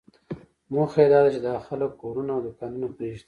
موخه یې داده چې دا خلک کورونه او دوکانونه پرېږدي.